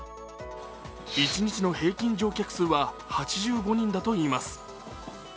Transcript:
一日の平均乗客数は８５人だといいます。